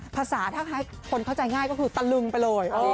ภาษาถ้าคนเข้าใจง่ายก็คือตะลึงไปเลย